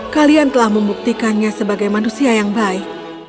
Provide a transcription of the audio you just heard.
kalian telah membuktikannya sebagai manusia yang baik